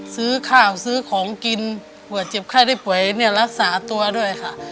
ซื้อข้าวซื้อของกินเผื่อเจ็บไข้ได้ป่วยเนี่ยรักษาตัวด้วยค่ะ